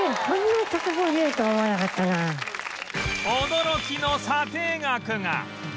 驚きの査定額が！